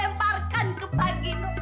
aku lemparkan ke bang gino